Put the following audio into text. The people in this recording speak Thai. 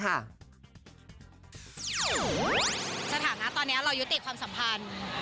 สถานะตอนนี้เรายุติความสัมพันธ์